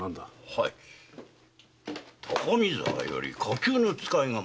はい高見沢より火急の使いが参り